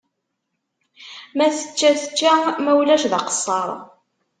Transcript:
Ma tečča, tečča, ma ulac d aqeṣṣer.